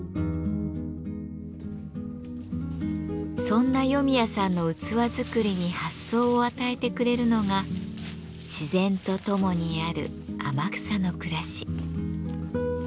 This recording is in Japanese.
そんな余宮さんの器作りに発想を与えてくれるのが自然と共にある天草の暮らし。